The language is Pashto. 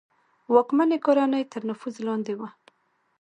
واکمنې کورنۍ تر نفوذ لاندې وه.